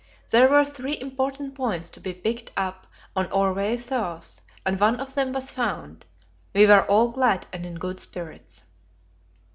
There were three important points to be picked up on our way south, and one of them was found; we were all glad and in good spirits.